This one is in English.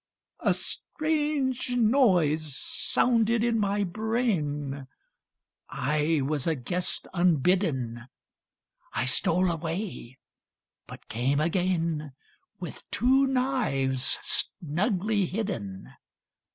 A strange noise sounded in my brain; I was a guest unbidden. I stole away, but came again With two knives snugly hidden.